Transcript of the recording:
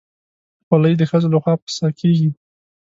خولۍ د ښځو لخوا پسه کېږي.